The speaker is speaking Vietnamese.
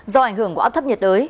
do ảnh hưởng của áp thấp nhiệt đới